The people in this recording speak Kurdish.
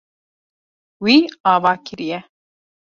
Wî ava kiriye.